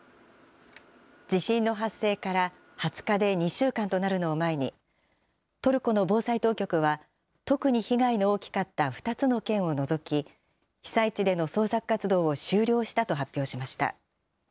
地震の発生から２０日で２週間となるのを前に、トルコの防災当局は、特に被害の大きかった２つの県を除き、被災地での捜索活動を終了したと発表しました。